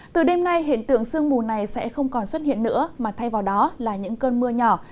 từ đêm nay hiện tượng sương mù này sẽ không còn xuất hiện nữa mà thay vào đó là những cơn mưa nhỏ